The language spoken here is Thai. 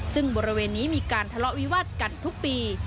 ซึ่งบริเวณนี้มีการทะเลาะวิวาสกันทุกปี